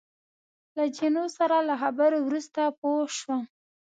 له جینو سره له خبرو وروسته پوه شوم.